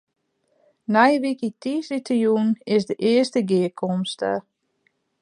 Nije wike tiisdeitejûn is de earste gearkomste.